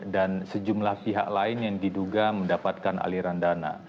sejumlah pihak lain yang diduga mendapatkan aliran dana